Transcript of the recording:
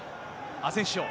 アセンシオ。